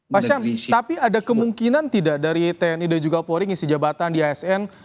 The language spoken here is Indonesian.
pak syam tapi ada kemungkinan tidak dari tni dan juga polri ngisi jabatan di asn